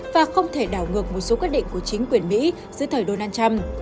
và không thể đảo ngược một số quyết định của chính quyền mỹ dưới thời donald trump